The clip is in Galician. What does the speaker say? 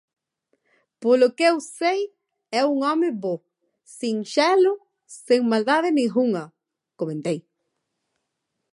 Polo que eu sei, é un home bo, sinxelo, sen maldade ningunha −comentei.